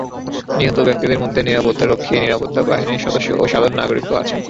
নিহত ব্যক্তিদের মধ্যে নিরাপত্তারক্ষী, নিরাপত্তা বাহিনীর সদস্য এবং সাধারণ নাগরিকও আছেন।